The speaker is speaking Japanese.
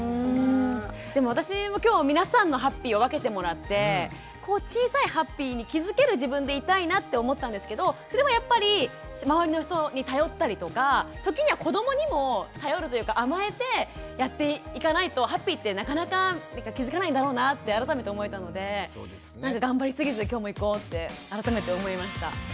でも私も今日皆さんのハッピーを分けてもらってこう小さいハッピーに気付ける自分でいたいなって思ったんですけどそれもやっぱり周りの人に頼ったりとか時には子どもにも頼るというか甘えてやっていかないとハッピーってなかなか気付けないんだろうなぁって改めて思えたのでなんか頑張りすぎず今日もいこうって改めて思いました。